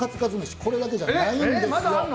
これだけじゃないんですよ。